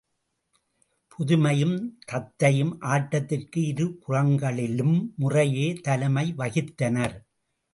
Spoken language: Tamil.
பதுமையும் தத்தையும் ஆட்டத்திற்கு இருபுறங்களிலும் முறையே தலைமை வகித்தனர்.